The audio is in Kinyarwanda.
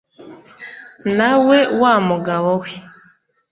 nawe wa mugabo we